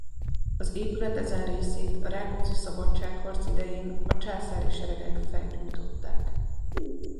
Az épület ezen részét a Rákóczi-szabadságharc idején a császári seregek felgyújtották.